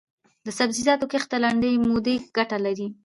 د سبزیجاتو کښت د لنډې مودې ګټه لري.